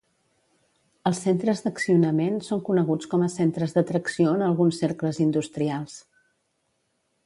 Els centres d'accionament són coneguts com a centres de tracció en alguns cercles industrials.